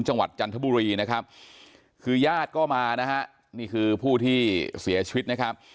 จังหวัดจันทบุรียาติก็มานี่คือผู้ที่เสียชีวิต